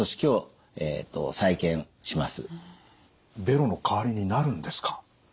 ベロの代わりになるんですか？